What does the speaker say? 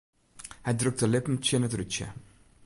Hy drukt de lippen tsjin it rútsje.